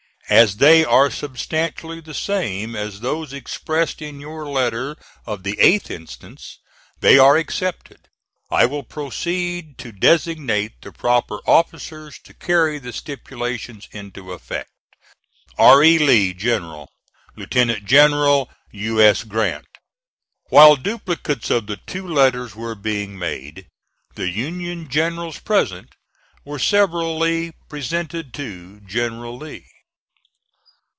As they are substantially the same as those expressed in your letter of the 8th inst., they are accepted. I will proceed to designate the proper officers to carry the stipulations into effect. R. E. LEE, General. LIEUT. GENERAL U. S. GRANT. While duplicates of the two letters were being made, the Union generals present were severally presented to General Lee.